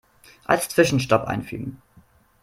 Als Zwischenstopp einfügen.